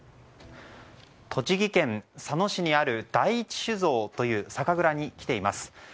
栃木県佐野市にある第一酒造という酒蔵に来ています。